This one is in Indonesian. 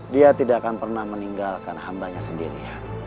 dia tidak akan pernah meninggalkan hambanya sendiri